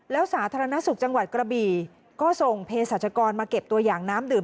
แล้วสาธารณสุขจังหวัดกระบี่ก็ส่งเพศรัชกรมาเก็บตัวอย่างน้ำดื่ม